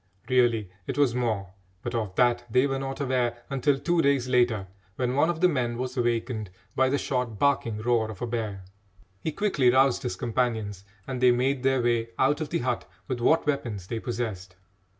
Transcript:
Really it was more, but of that they were not aware until two days later, when one of the men was awakened by the short barking roar of a bear. He quickly roused his companions and they made their way out of the hut with what weapons they possessed.